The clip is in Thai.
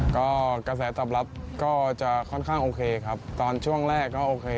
ก็กระแสตอบรับก็จะค่อนข้างโอเคครับตอนช่วงแรกก็โอเค